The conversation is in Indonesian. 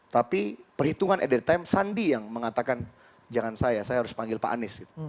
tapi perhitungan at the time sandi yang mengatakan jangan saya saya harus panggil pak anies